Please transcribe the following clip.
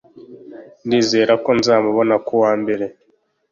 Ndizera ko nzamubona kuwa mbere.